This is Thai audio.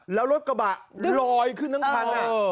แล้วรถกระบะลอยขึ้นทั้งคัน